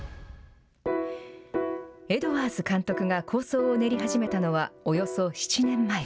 エドワーズ監督が構想を練り始めたのは、およそ７年前。